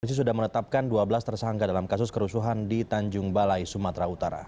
polisi sudah menetapkan dua belas tersangka dalam kasus kerusuhan di tanjung balai sumatera utara